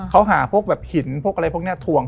เขาหาพวกแบบหินพวกอะไรพวกนี้ถ่วง